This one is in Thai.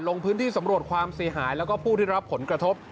ลงพื้นที่สำรวจความเสียหายแล้วก็ผู้ที่รับผลกระทบ